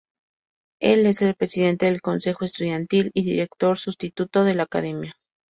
Él es el presidente del consejo estudiantil y director substituto de la academia.